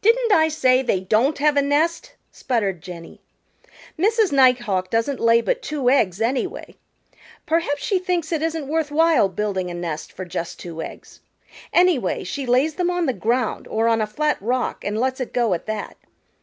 "Didn't I say they don't have a nest?" sputtered Jenny. "Mrs. Nighthawk doesn't lay but two eggs, anyway. Perhaps she thinks it isn't worth while building a nest for just two eggs. Anyway, she lays them on the ground or on a flat rock and lets it go at that.